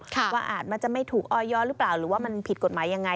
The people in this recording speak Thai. ว่าอาจมันจะไม่ถูกออย้อหรือเปล่าหรือว่ามันผิดกฎหมายยังไง